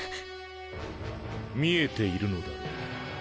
見えているのだろう？